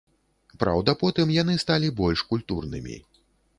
Праўда, потым яны сталі больш культурнымі.